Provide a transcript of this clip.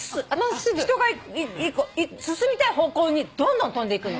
人が進みたい方向にどんどんとんでいくの。